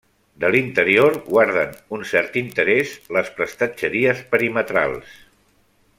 De l'interior guarden un cert interès les prestatgeries perimetrals.